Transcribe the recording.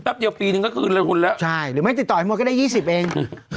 แป๊บเดียวปีนึงก็คืนแล้วคุณละใช่หรือไม่ติดต่อให้มุมก็ได้๒๐เอง